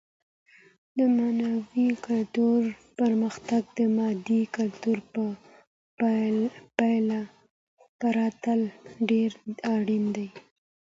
د معنوي کلتور پرمختګ د مادي کلتور په پرتله ډېر اړين دی.